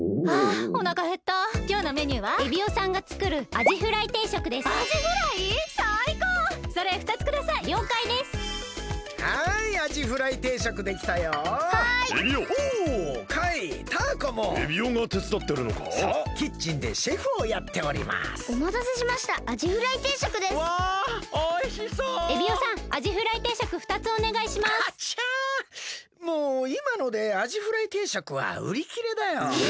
もういまのでアジフライ定食はうりきれだよ。え！？